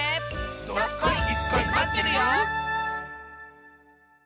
どすこいイスこいまってるよ！